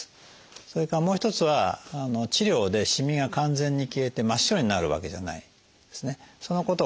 それからもう一つは治療でしみが完全に消えて真っ白になるわけじゃないんですね。